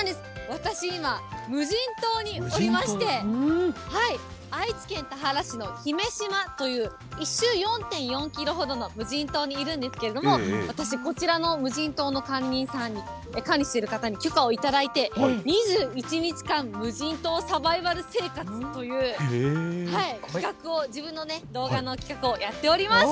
私、今、無人島におりまして、愛知県田原市の姫島という、１周４．４キロほどの無人島にいるんですけれども、私、こちらの無人島を管理している方に許可をいただいて、２１日間、無人島サバイバル生活という、企画を、自分のね、動画の企画をやっております。